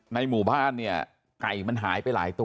ในหมู่บ้านเนี่ยไก่มันหายไปหลายตัว